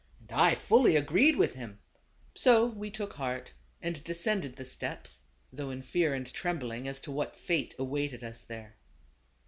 And I fully agreed with him. So we took heart, and descended the " steps, though in fear and trembling , X." as to what fate awaited us there.